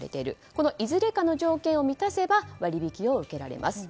このいずれかの条件を満たせば割引を受けられます。